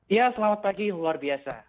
ya selamat pagi luar biasa